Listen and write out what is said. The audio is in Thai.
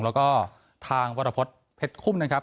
แล้วก็ทางวรพฤษเพชรคุ้มนะครับ